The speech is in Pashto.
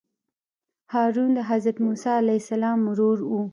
هارون د حضرت موسی علیه السلام ورور وو.